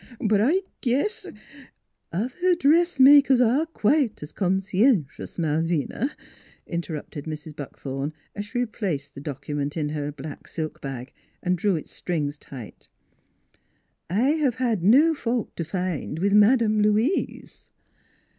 But I guess "" Other dressmakers are quite as con scien tious, Malvina," interrupted Mrs. Buckthorn, as she replaced the document in her black silk bag and drew its strings tight. u I have had no fault to find with Madam Louise."